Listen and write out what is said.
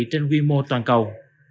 trên quy mô toàn cầu